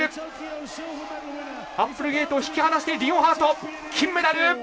アップルゲイトを引き離してリオンハート、金メダル！